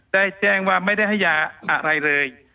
แจ้งว่าไม่ได้ให้ยาอะไรเลย